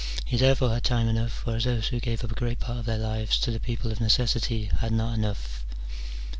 He, therefore, had time enough : whereas those who gave up a great part of their lives to the people of necessity had not enough.